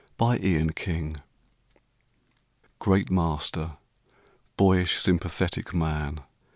To John Keats Great master! Boyish, sympathetic man!